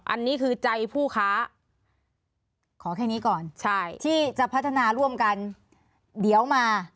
อันนี้คือใจผู้ค้าขอแค่นี้ก่อนใช่ที่จะพัฒนาร่วมกันเดี๋ยวมา